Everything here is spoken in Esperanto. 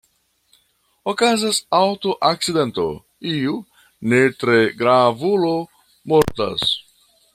Okazas aŭtoakcidento, iu ne-tre-grav-ulo mortas.